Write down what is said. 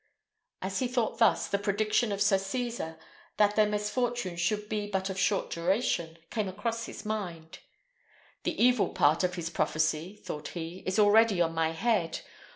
As he thought thus, the prediction of Sir Cesar, that their misfortune should be but of short duration, came across his mind. "The evil part of his prophecy," thought he, "is already on my head.